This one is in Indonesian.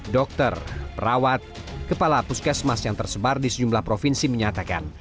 dokter perawat kepala puskesmas yang tersebar di sejumlah provinsi menyatakan